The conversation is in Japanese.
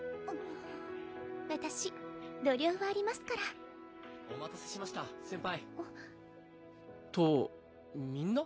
私度量はありますからお待たせしました先輩とみんな？